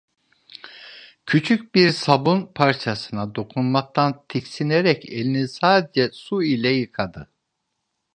Küçük bir sabun parçasına dokunmaktan tiksinerek elini sadece su ile yıkadı.